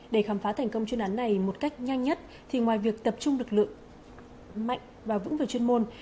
để khám phá thành công chuyên án này một cách nhanh nhất thì ngoài việc tập trung lực lượng mạnh và vững về chuyên môn